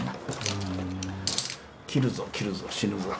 切るぞ切るぞ死ぬぞ。